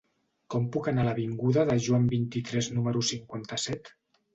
Com puc anar a l'avinguda de Joan vint-i-tres número cinquanta-set?